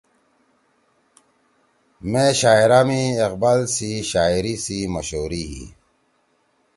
مے مشاعرا ما اقبال سی شاعری سی مشہوری ہی